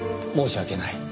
申し訳ない。